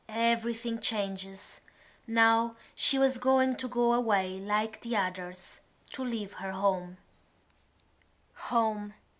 Everything changes. Now she was going to go away like the others, to leave her home. Home!